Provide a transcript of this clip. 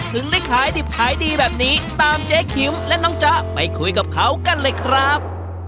ถึงได้ขายดิบขายดีแบบนี้ตามเจ๊คิมและน้องจ๊ะไปคุยกับเขากันเลยครับ